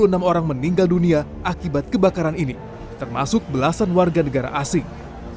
enam orang meninggal dunia akibat kebakaran ini termasuk belasan warga negara asing